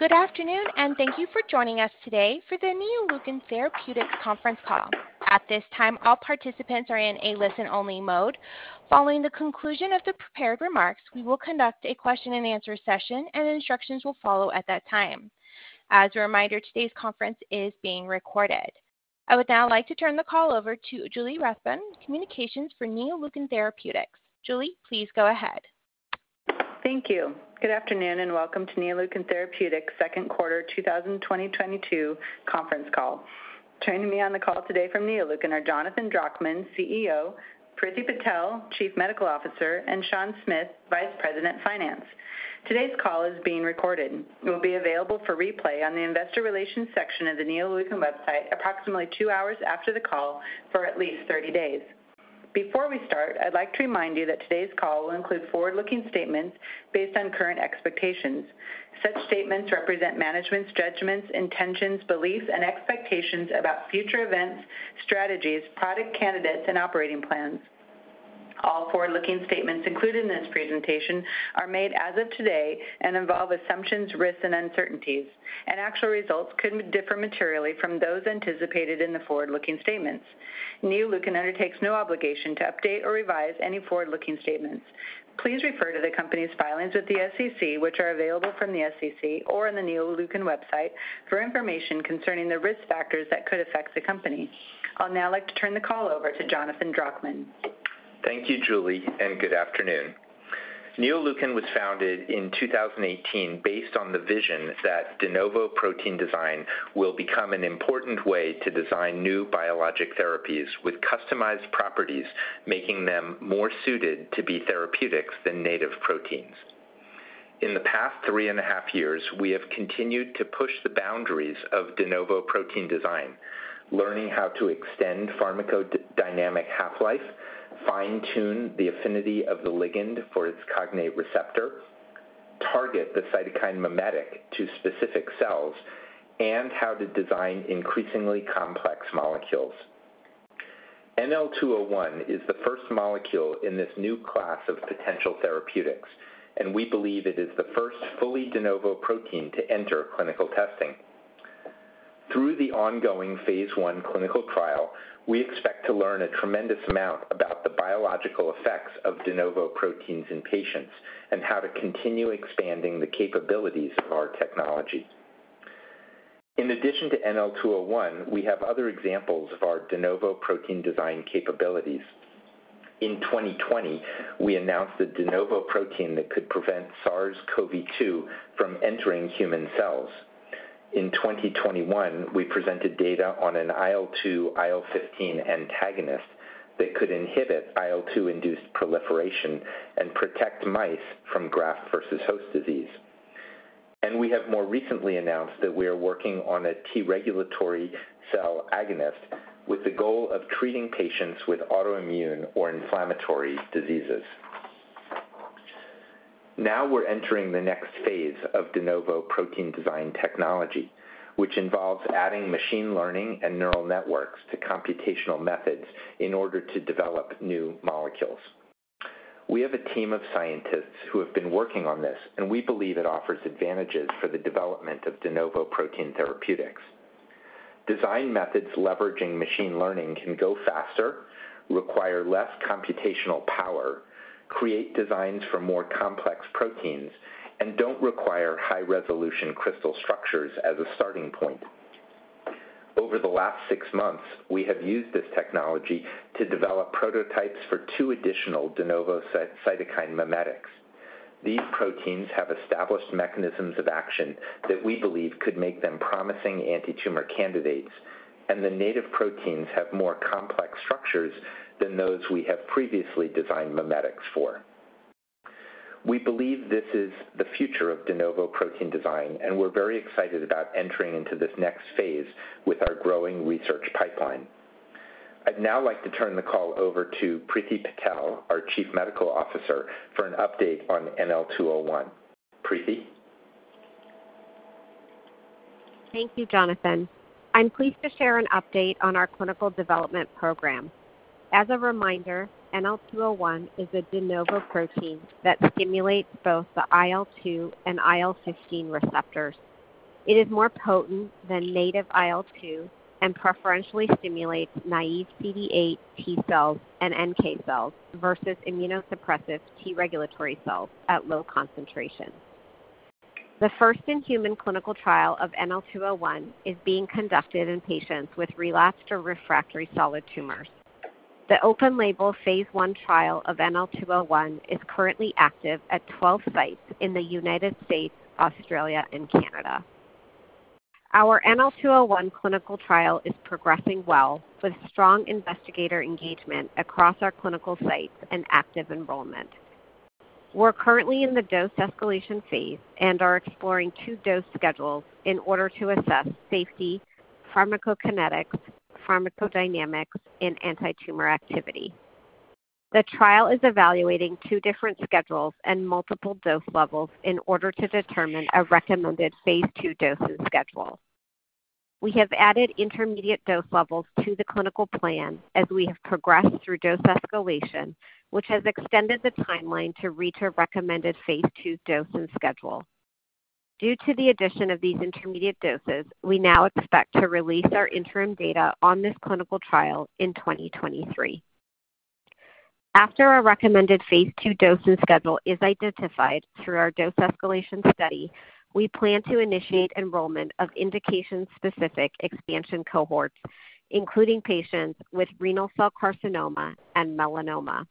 Good afternoon, and thank you for joining us today for the Neoleukin Therapeutics Conference Call. At this time, all participants are in a listen-only mode. Following the conclusion of the prepared remarks, we will conduct a question-and-answer session, and instructions will follow at that time. As a reminder, today's conference is being recorded. I would now like to turn the call over to Julie Rathbun, Communications for Neoleukin Therapeutics. Julie, please go ahead. Thank you. Good afternoon, and welcome to Neoleukin Therapeutics' Second Quarter 2022 Conference Call. Joining me on the call today from Neoleukin are Jonathan Drachman, CEO, Priti Patel, Chief Medical Officer, and Sean Smith, Vice President, Finance. Today's call is being recorded and will be available for replay on the Investor Relations section of the Neoleukin website approximately two hours after the call for at least 30 days. Before we start, I'd like to remind you that today's call will include forward-looking statements based on current expectations. Such statements represent management's judgments, intentions, beliefs, and expectations about future events, strategies, product candidates, and operating plans. All forward-looking statements included in this presentation are made as of today and involve assumptions, risks, and uncertainties, and actual results could differ materially from those anticipated in the forward-looking statements. Neoleukin undertakes no obligation to update or revise any forward-looking statements. Please refer to the company's filings with the SEC, which are available from the SEC or on the Neoleukin website for information concerning the risk factors that could affect the company. I'll now like to turn the call over to Jonathan Drachman. Thank you, Julie, and good afternoon. Neoleukin was founded in 2018 based on the vision that de novo protein design will become an important way to design new biologic therapies with customized properties, making them more suited to be therapeutics than native proteins. In the past three and a half years, we have continued to push the boundaries of de novo protein design, learning how to extend pharmacodynamic half-life, fine-tune the affinity of the ligand for its cognate receptor, target the cytokine mimetic to specific cells, and how to design increasingly complex molecules. NL-201 is the first molecule in this new class of potential therapeutics, and we believe it is the first fully de novo protein to enter clinical testing. Through the ongoing phase I clinical trial, we expect to learn a tremendous amount about the biological effects of de novo proteins in patients and how to continue expanding the capabilities of our technology. In addition to NL-201, we have other examples of our de novo protein design capabilities. In 2020, we announced a de novo protein that could prevent SARS-CoV-2 from entering human cells. In 2021, we presented data on an IL-2/IL-15 antagonist that could inhibit IL-2-induced proliferation and protect mice from graft versus host disease. We have more recently announced that we are working on a T regulatory cell agonist with the goal of treating patients with autoimmune or inflammatory diseases. Now we're entering the next phase of de novo protein design technology, which involves adding machine learning and neural networks to computational methods in order to develop new molecules. We have a team of scientists who have been working on this, and we believe it offers advantages for the development of de novo protein therapeutics. Design methods leveraging machine learning can go faster, require less computational power, create designs for more complex proteins, and don't require high-resolution crystal structures as a starting point. Over the last six months, we have used this technology to develop prototypes for two additional de novo cytokine mimetics. These proteins have established mechanisms of action that we believe could make them promising antitumor candidates, and the native proteins have more complex structures than those we have previously designed mimetics for. We believe this is the future of de novo protein design, and we're very excited about entering into this next phase with our growing research pipeline. I'd now like to turn the call over to Priti Patel, our Chief Medical Officer, for an update on NL-201. Priti? Thank you, Jonathan. I'm pleased to share an update on our clinical development program. As a reminder, NL-201 is a de novo protein that stimulates both the IL-2 and IL-15 receptors. It is more potent than native IL-2 and preferentially stimulates naive CD8 T cells and NK cells versus immunosuppressive T regulatory cells at low concentrations. The first-in-human clinical trial of NL-201 is being conducted in patients with relapsed or refractory solid tumors. The open label phase I trial of NL-201 is currently active at 12 sites in the United States, Australia, and Canada. Our NL-201 clinical trial is progressing well with strong investigator engagement across our clinical sites and active enrollment. We're currently in the dose escalation phase and are exploring two dose schedules in order to assess safety, pharmacokinetics, pharmacodynamics, and antitumor activity. The trial is evaluating two different schedules and multiple dose levels in order to determine a recommended phase II dose and schedule. We have added intermediate dose levels to the clinical plan as we have progressed through dose escalation, which has extended the timeline to reach a recommended phase II dose and schedule. Due to the addition of these intermediate doses, we now expect to release our interim data on this clinical trial in 2023. After our recommended phase II dose and schedule is identified through our dose escalation study, we plan to initiate enrollment of indication-specific expansion cohorts, including patients with renal cell carcinoma and melanoma.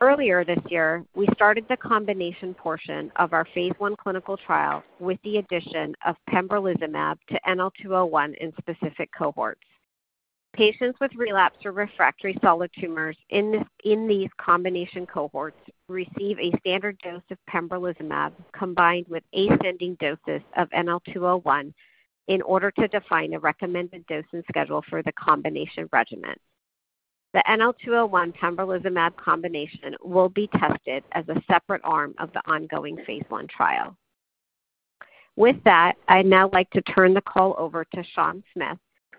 Earlier this year, we started the combination portion of our phase II clinical trial with the addition of pembrolizumab to NL-201 in specific cohorts. Patients with relapse or refractory solid tumors in these combination cohorts receive a standard dose of pembrolizumab combined with ascending doses of NL-201 in order to define a recommended dose and schedule for the combination regimen. The NL-201 pembrolizumab combination will be tested as a separate arm of the ongoing phase I trial. With that, I'd now like to turn the call over to Sean Smith,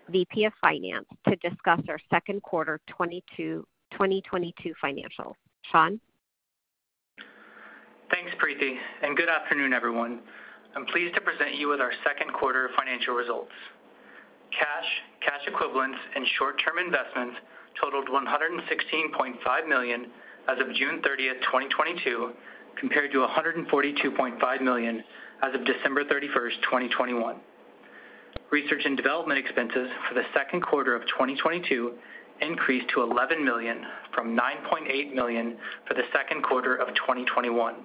VP of Finance, to discuss our second quarter 2022 financials. Sean? Thanks, Priti, and good afternoon, everyone. I'm pleased to present you with our second quarter financial results. Cash, cash equivalents, and short-term investments totaled $116.5 million as of June 30th, 2022, compared to $142.5 million as of December 31st, 2021. Research and development expenses for the second quarter of 2022 increased to $11 million from $9.8 million for the second quarter of 2021.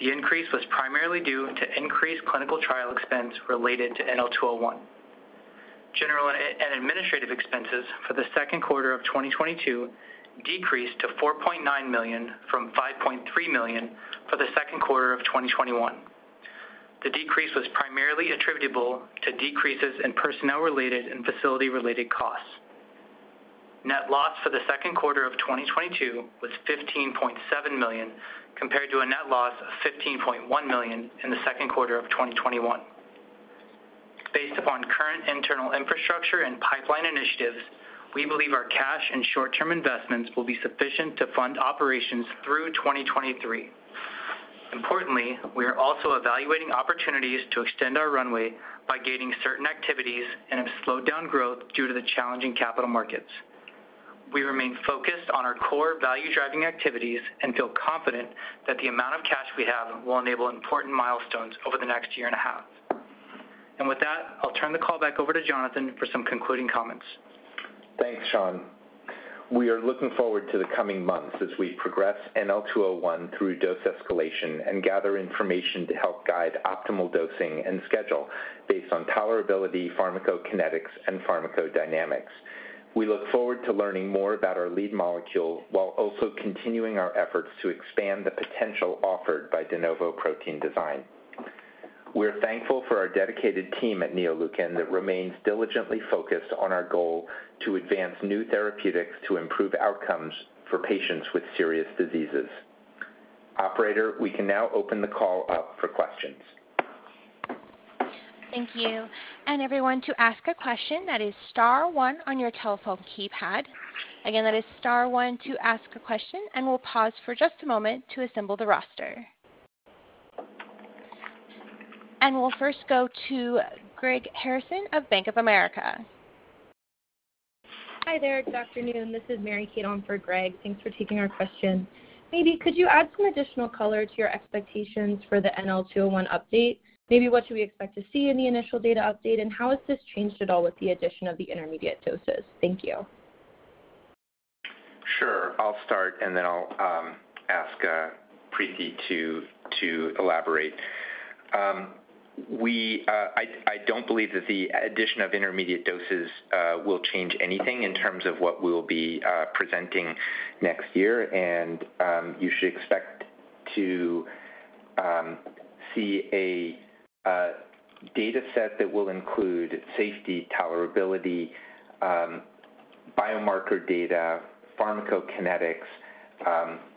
The increase was primarily due to increased clinical trial expense related to NL-201. General and administrative expenses for the second quarter of 2022 decreased to $4.9 million from $5.3 million for the second quarter of 2021. The decrease was primarily attributable to decreases in personnel-related and facility-related costs. Net loss for the second quarter of 2022 was $15.7 million, compared to a net loss of $15.1 million in the second quarter of 2021. Based upon current internal infrastructure and pipeline initiatives, we believe our cash and short-term investments will be sufficient to fund operations through 2023. Importantly, we are also evaluating opportunities to extend our runway by pausing certain activities and have slowed down growth due to the challenging capital markets. We remain focused on our core value-driving activities and feel confident that the amount of cash we have will enable important milestones over the next year and a half. With that, I'll turn the call back over to Jonathan for some concluding comments. Thanks, Sean. We are looking forward to the coming months as we progress NL-201 through dose escalation and gather information to help guide optimal dosing and schedule based on tolerability, pharmacokinetics, and pharmacodynamics. We look forward to learning more about our lead molecule while also continuing our efforts to expand the potential offered by de novo protein design. We're thankful for our dedicated team at Neoleukin that remains diligently focused on our goal to advance new therapeutics to improve outcomes for patients with serious diseases. Operator, we can now open the call up for questions. Thank you. Everyone, to ask a question, that is star one on your telephone keypad. Again, that is star one to ask a question, and we'll pause for just a moment to assemble the roster. We'll first go to Greg Harrison of Bank of America. Hi there. Good afternoon. This is Mary Kate Davis on for Greg. Thanks for taking our question. Maybe could you add some additional color to your expectations for the NL-201 update? Maybe what should we expect to see in the initial data update, and how has this changed at all with the addition of the intermediate doses? Thank you. Sure. I'll start, and then I'll ask Priti to elaborate. We don't believe that the addition of intermediate doses will change anything in terms of what we'll be presenting next year, and you should expect to see a dataset that will include safety, tolerability, biomarker data, pharmacokinetics,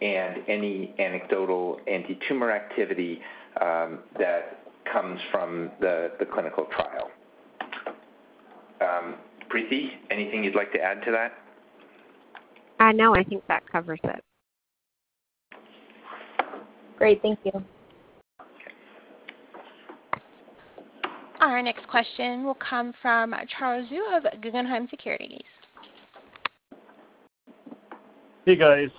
and any anecdotal antitumor activity that comes from the clinical trial. Priti, anything you'd like to add to that? No, I think that covers it. Great. Thank you. Okay. Our next question will come from Charles Zhu of Guggenheim Securities. Hey, guys.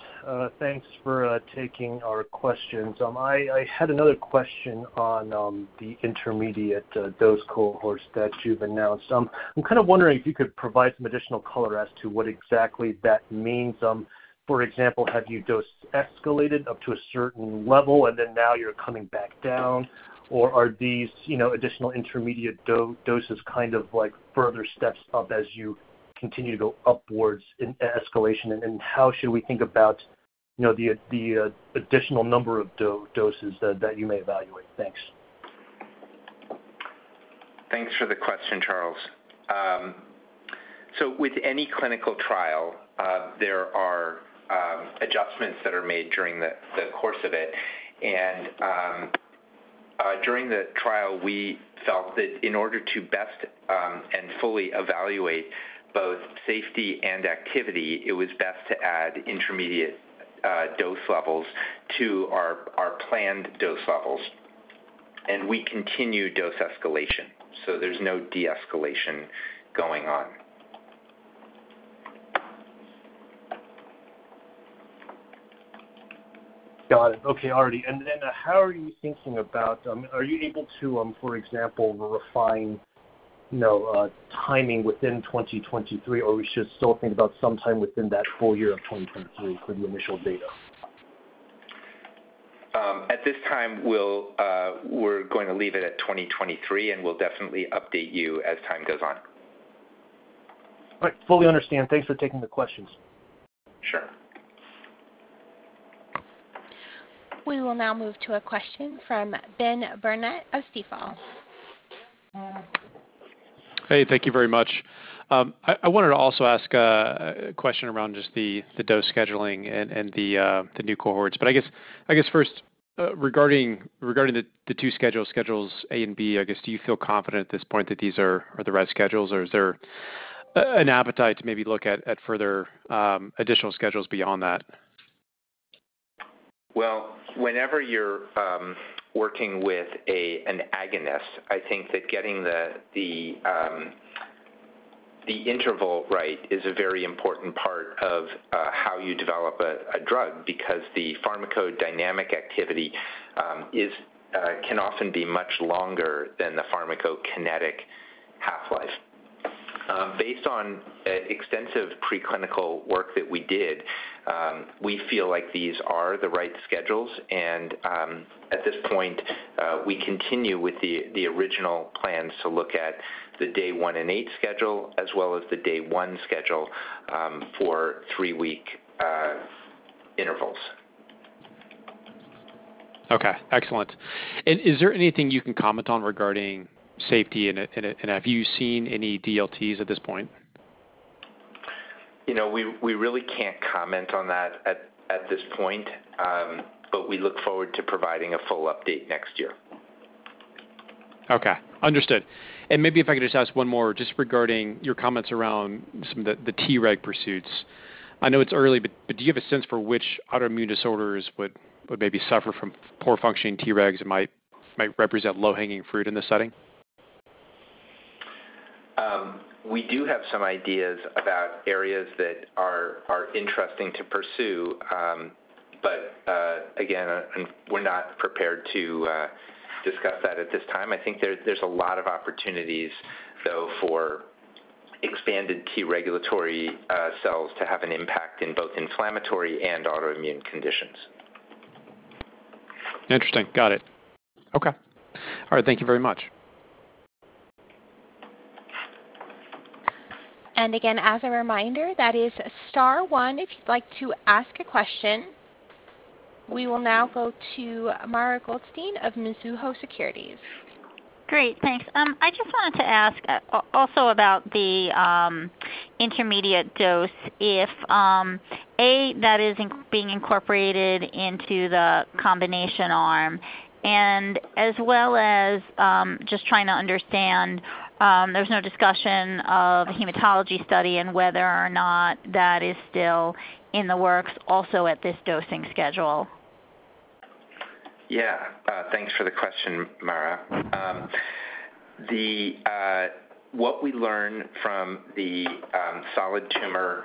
Thanks for taking our questions. I had another question on the intermediate dose cohort that you've announced. I'm kind of wondering if you could provide some additional color as to what exactly that means. For example, have you dose escalated up to a certain level, and then now you're coming back down? Or are these, you know, additional intermediate doses kind of like further steps up as you continue to go upwards in escalation? And how should we think about, you know, the additional number of doses that you may evaluate? Thanks. Thanks for the question, Charles. With any clinical trial, there are adjustments that are made during the course of it. During the trial, we felt that in order to best and fully evaluate both safety and activity, it was best to add intermediate dose levels to our planned dose levels. We continue dose escalation, so there's no de-escalation going on. Got it. Okay. All righty. Are you able to, for example, refine, you know, timing within 2023, or we should still think about sometime within that full year of 2023 for the initial data? At this time, we're going to leave it at 2023, and we'll definitely update you as time goes on. All right. Fully understand. Thanks for taking the questions. Sure. We will now move to a question from Ben Burnett of Stifel. Hey, thank you very much. I wanted to also ask a question around just the dose scheduling and the new cohorts. I guess first, regarding the two schedules, Schedules A and B, I guess, do you feel confident at this point that these are the right schedules, or is there an appetite to maybe look at further additional schedules beyond that? Well, whenever you're working with an agonist, I think that getting the interval right is a very important part of how you develop a drug because the pharmacodynamic activity can often be much longer than the pharmacokinetic half-life. Based on extensive preclinical work that we did, we feel like these are the right schedules, and at this point, we continue with the original plans to look at the day one and eight schedule as well as the day one schedule for three-week intervals. Okay, excellent. Is there anything you can comment on regarding safety and have you seen any DLTs at this point? You know, we really can't comment on that at this point, but we look forward to providing a full update next year. Okay. Understood. Maybe if I could just ask one more just regarding your comments around some of the T reg pursuits. I know it's early, but do you have a sense for which autoimmune disorders would maybe suffer from poor functioning T regs that might represent low-hanging fruit in this setting? We do have some ideas about areas that are interesting to pursue, but again, we're not prepared to discuss that at this time. I think there's a lot of opportunities, though, for expanded T regulatory cells to have an impact in both inflammatory and autoimmune conditions. Interesting. Got it. Okay. All right. Thank you very much. Again, as a reminder, that is star one if you'd like to ask a question. We will now go to Mara Goldstein of Mizuho Securities. Great. Thanks. I just wanted to ask also about the intermediate dose, if that is being incorporated into the combination arm, and as well as just trying to understand, there's no discussion of hematology study and whether or not that is still in the works also at this dosing schedule. Yeah. Thanks for the question, Mara. What we learn from the solid tumor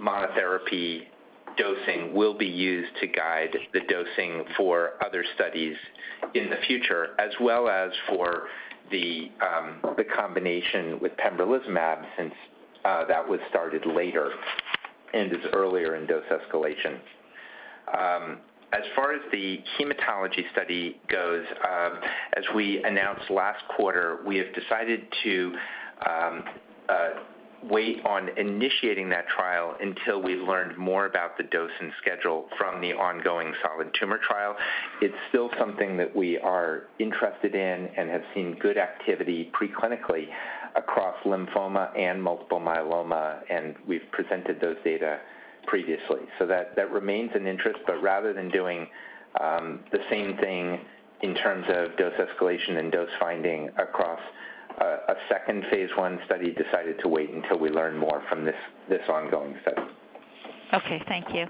monotherapy dosing will be used to guide the dosing for other studies in the future, as well as for the combination with pembrolizumab since that was started later and is earlier in dose escalation. As far as the hematology study goes, as we announced last quarter, we have decided to wait on initiating that trial until we've learned more about the dosing schedule from the ongoing solid tumor trial. It's still something that we are interested in and have seen good activity preclinically across lymphoma and multiple myeloma, and we've presented those data previously. That remains an interest, but rather than doing the same thing in terms of dose escalation and dose finding across a second phase one study, decided to wait until we learn more from this ongoing study. Okay. Thank you.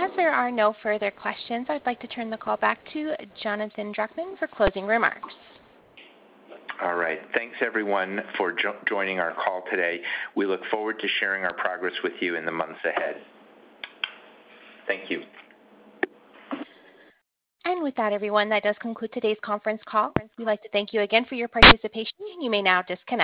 As there are no further questions, I'd like to turn the call back to Jonathan Drachman for closing remarks. All right. Thanks, everyone, for joining our call today. We look forward to sharing our progress with you in the months ahead. Thank you. With that, everyone, that does conclude today's conference call. We'd like to thank you again for your participation. You may now disconnect.